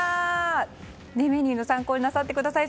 メニューの参考になさってください。